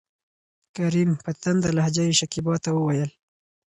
کريم : په تنده لهجه يې شکيبا ته وويل: